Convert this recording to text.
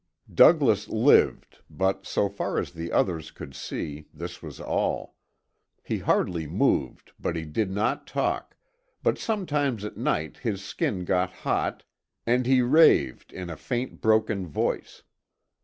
Douglas lived, but, so far as the others could see, this was all. He hardly moved and he did not talk, but sometimes at night his skin got hot and he raved in a faint broken voice.